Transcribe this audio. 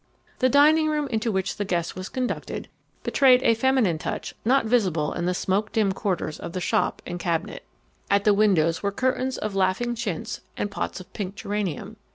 The dining room into which the guest was conducted betrayed a feminine touch not visible in the smoke dimmed quarters of shop and cabinet. At the windows were curtains of laughing chintz and pots of pink geranium.